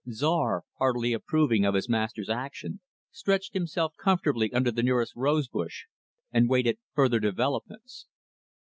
Czar, heartily approving of his master's action, stretched himself comfortably under the nearest rose bush, and waited further developments.